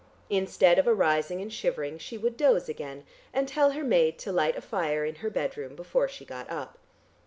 Instead of arising and shivering, she would doze again, and tell her maid to light a fire in her bedroom before she got up.